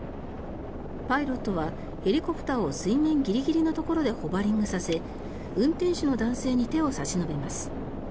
パイロットはヘリコプターを水面ギリギリのところでホバリングさせ運転手の男性に手を差し伸べます。